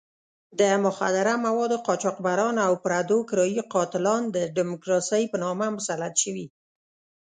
د مخدره موادو قاچاقبران او پردو کرایي قاتلان د ډیموکراسۍ په نامه مسلط شوي.